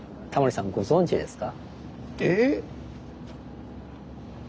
タモリさんご存じですか？